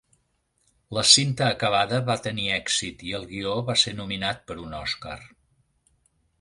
La cinta acabada va tenir èxit i el guió va ser nominat per un Oscar.